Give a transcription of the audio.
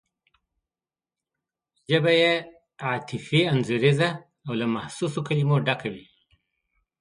ژبه یې عاطفي انځوریزه او له محسوسو کلمو ډکه وي.